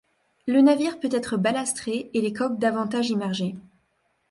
Le navire peut être ballasté et les coques davantage immergées.